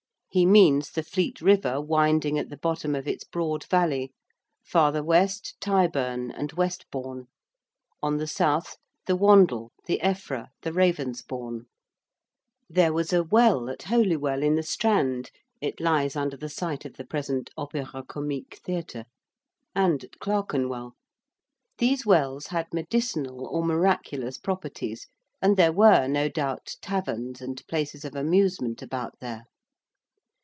He means the Fleet River winding at the bottom of its broad valley: farther west Tyburn and Westbourne: on the south the Wandle, the Effra, the Ravensbourne. There was a well at Holywell in the Strand it lies under the site of the present Opéra Comique Theatre: and at Clerkenwell: these wells had medicinal or miraculous properties and there were, no doubt, taverns and places of amusement about there.